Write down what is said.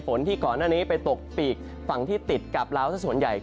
ที่ก่อนหน้านี้ไปตกปีกฝั่งที่ติดกับลาวสักส่วนใหญ่